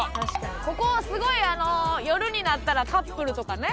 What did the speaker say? ここすごい夜になったらカップルとかね